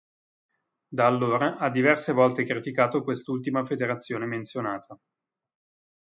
Da allora ha diverse volte criticato quest'ultima federazione menzionata.